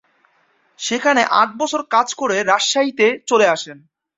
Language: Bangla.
সেখানে আট বছর কাজ করে রাজশাহীতে চলে আসেন।